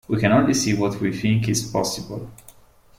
We can only see what we think is possible.